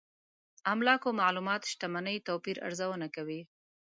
املاکو معلومات شتمنۍ توپير ارزونه کوي.